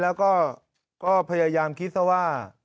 แล้วก็พยายามคิดซะว่า